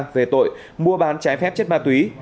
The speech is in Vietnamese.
về tội mua bán trái phép chất ma túy